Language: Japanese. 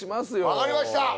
分かりました。